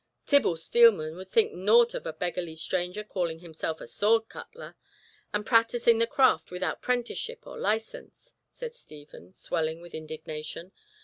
"Tibble Steelman would think nought of a beggarly stranger calling himself a sword cutler, and practising the craft without prenticeship or license," said Stephen, swelling with indignation.